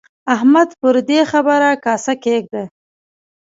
احمده! پر دې خبره کاسه کېږده.